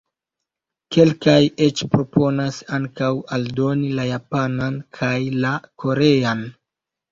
Kelkaj eĉ proponas ankaŭ aldoni la Japanan kaj la Korean.